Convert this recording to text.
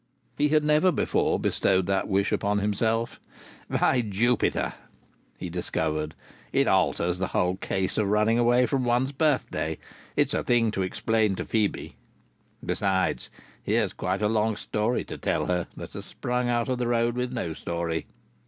He had never before bestowed that wish upon himself. "By Jupiter!" he discovered, "it alters the whole case of running away from one's birthday! It's a thing to explain to Phœbe. Besides, here is quite a long story to tell her, that has sprung out of the road with no story.